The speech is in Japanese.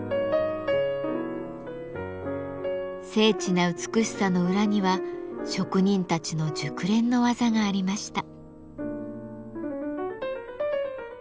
精緻な美しさの裏には職人たちの熟練の技がありました。